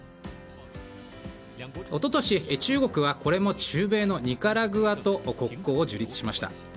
一昨年、中国はこれも中米のニカラグアと国交を樹立しました。